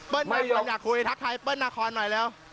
เปิ้ลมากกว่าอยากคุยทักทายเปิ้ลนาคอร์หน่อยแล้ว